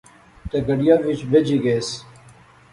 تہ گڈیا وچ بہجی گئیس